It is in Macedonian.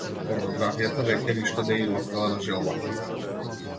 Порнографијата веќе ништо не ѝ остава на желбата.